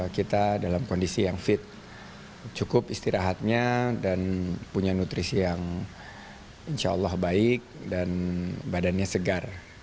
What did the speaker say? kita dalam kondisi yang fit cukup istirahatnya dan punya nutrisi yang insya allah baik dan badannya segar